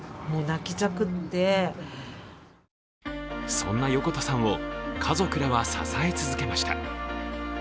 そんな横田さんを家族らは支え続けました。